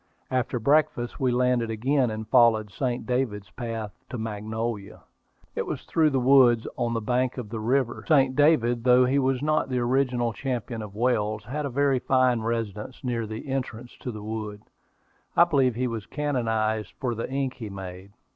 After breakfast we landed again, and followed "St. David's Path" to Magnolia. It was through the woods, on the bank of the river. "St. David," though he was not the original champion of Wales, had a very fine residence near the entrance to the wood. I believe he was canonized for the ink he made.